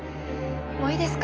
もういいですか？